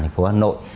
thành phố hà nội